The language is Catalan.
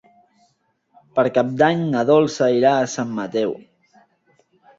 Per Cap d'Any na Dolça irà a Sant Mateu.